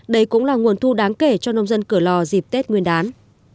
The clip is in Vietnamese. đây cũng là nguồn thu đáng kể cho nông dân cửa lò dịp tết nguyên đán